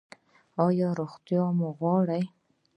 ایا روغتیا مو غواړئ؟